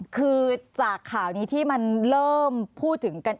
คือจากข่าวนี้ที่มันเริ่มพูดถึงกัน